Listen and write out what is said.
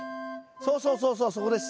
そうそうそうそうそこです。